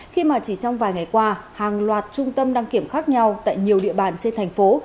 khi mà chỉ trong vài ngày qua hàng loạt trung tâm đăng kiểm khác nhau tại nhiều địa bàn trên thành phố